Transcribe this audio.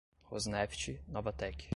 Rosneft, Novatek